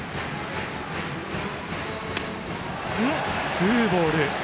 ツーボール。